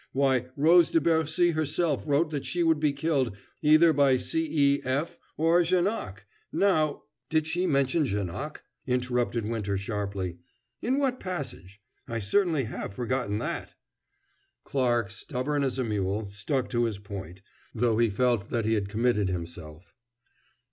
Why, Rose de Bercy herself wrote that she would be killed either by C. E. F. or Janoc. Now " "Did she mention Janoc?" interrupted Winter sharply. "In what passage? I certainly have forgotten that." Clarke, stubborn as a mule, stuck to his point, though he felt that he had committed himself.